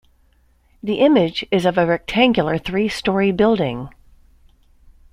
The image is of a rectangular three-story building.